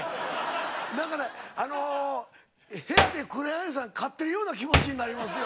だからあの部屋で黒柳さん飼ってるような気持ちになりますよ。